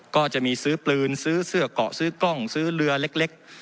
ก็จะมีซื้อปืนซื้อเสื้อเกาะซื้อกล้องซื้อเรือเล็ก